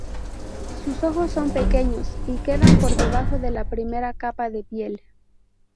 Sus ojos son pequeños y quedan por debajo de la primera capa de piel.